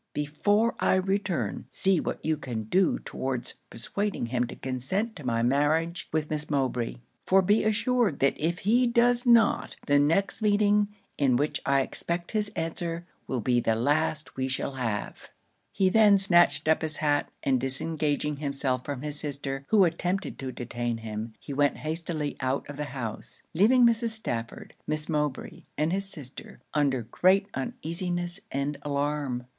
Before I return, see what you can do towards persuading him to consent to my marriage with Miss Mowbray; for be assured that if he does not, the next meeting, in which I expect his answer, will be the last we shall have.' He then snatched up his hat, and disengaging himself from his sister, who attempted to detain him, he went hastily out of the house; leaving Mrs. Stafford, Miss Mowbray, and his sister, under great uneasiness and alarm.